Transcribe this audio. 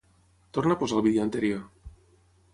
Torna a posar el vídeo anterior.